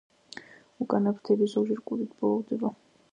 უკანა ფრთები ზოგჯერ კუდით ბოლოვდება.